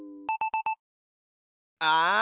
ああ！